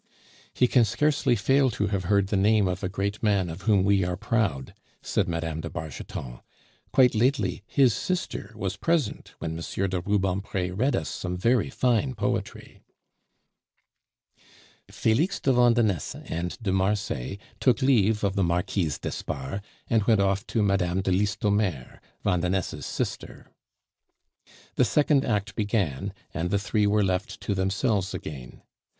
"He can scarcely fail to have heard the name of a great man of whom we are proud," said Mme. de Bargeton. "Quite lately his sister was present when M. de Rubempre read us some very fine poetry." Felix de Vandenesse and de Marsay took leave of the Marquise d'Espard, and went off to Mme. de Listomere, Vandenesse's sister. The second act began, and the three were left to themselves again.